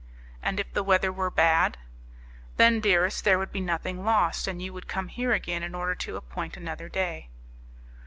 "And if the weather were bad?" "Then, dearest, there would be nothing lost; and you would come here again in order to appoint another day."